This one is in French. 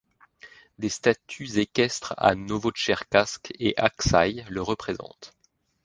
Des statues équestres à Novotcherkassk et Aksaï le représentent.